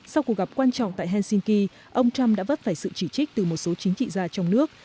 sau cuộc gặp quan trọng tại helsinki ông trump đã vấp phải sự chỉ trích từ một số chính trị gia trong nước